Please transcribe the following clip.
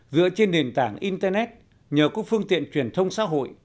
dựa trên nền tảng internet nhờ các phương tiện truyền thông xã hội